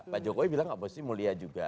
pak jokowi bilang oposisi mulia juga